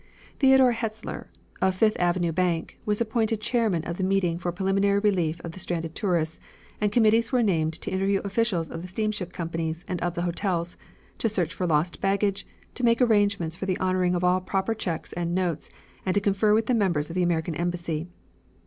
Theodore Hetzler, of the Fifth Avenue Bank, was appointed chairman of the meeting for preliminary relief of the stranded tourists, and committees were named to interview officials of the steamship companies and of the hotels, to search for lost baggage, to make arrangements for the honoring of all proper checks and notes, and to confer with the members of the American embassy.